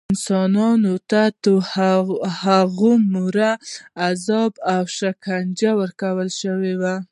انسانانو ته هغومره عذاب او شکنجې ورکړل شوې.